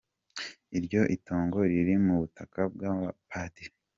Iryo itongo riri mu butaka bw’abapadiri.